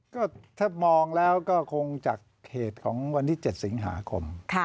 ก็ถ้ามองแล้วก็คงจากเขตของวันที่๗สิงหาคม